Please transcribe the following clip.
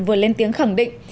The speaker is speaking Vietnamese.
vừa lên tiếng khẳng định